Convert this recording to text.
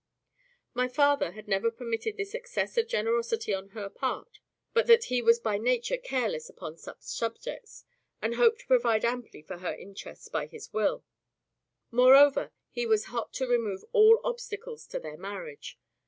My father had never permitted this excess of generosity on her part, but that he was by nature careless upon such subjects, and hoped to provide amply for her interests by his will: moreover he was hot to remove all obstacles to their marriage.